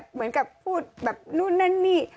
เหมือนกับพูดแบบนู่นนั่นนี่